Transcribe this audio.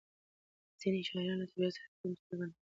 ځینې شاعران له طبیعت سره په تمثیلي بڼه غږېږي.